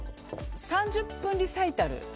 ３０分リサイタル。